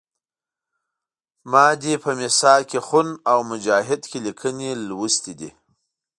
ما دې په میثاق خون او مجاهد کې لیکنې لوستي دي.